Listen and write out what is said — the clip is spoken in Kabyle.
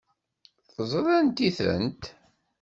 Teẓriḍ anti-tent?